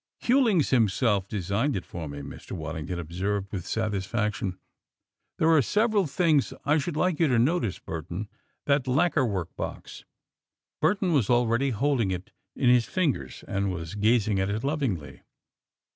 "Hewlings himself designed it for me," Mr. Waddington observed, with satisfaction. "There are several things I should like you to notice, Burton. That lacquer work box!" Burton was already holding it in his fingers and was gazing at it lovingly.